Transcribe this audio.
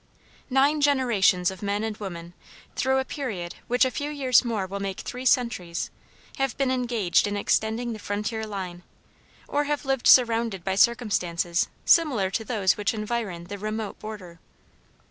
Nine generations of men and women, through a period which a few years more will make three centuries, have been engaged in extending the frontier line, or have lived surrounded by circumstances similar to those which environ the remote border.